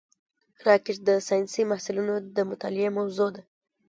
راکټ د ساینسي محصلینو د مطالعې موضوع ده